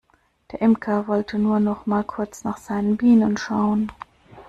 Der Imker wollte nur noch mal kurz nach seinen Bienen schauen.